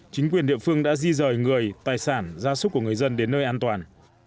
chính quyền địa phương đã di rời người tài sản gia súc của người dân đến nơi an toàn